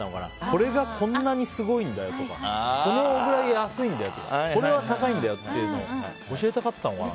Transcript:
これがこんなにすごいんだよとかこのぐらい安いんだよとかこれは高いんだよっていうのを教えたかったのかな。